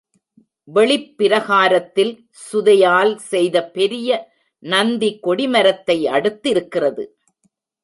வெளிப்பிரகாரத்தில் சுதையால் செய்த பெரிய நந்தி கொடிமரத்தை அடுத்திருக்கிறது.